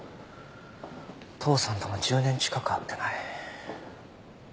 父さんとも１０年近く会ってない。